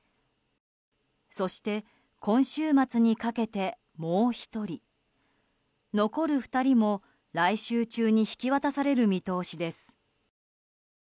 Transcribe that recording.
そして今週末にかけて、もう１人残る２人も来週中に引き渡される見通しです。